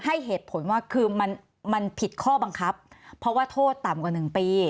ให้เหตุผลว่าคือมันผิดข้อบังคับเพราะว่าโทษต่ำกว่า๑ปี